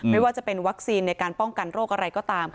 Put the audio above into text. ไม่ว่าจะเป็นวัคซีนในการป้องกันโรคอะไรก็ตาม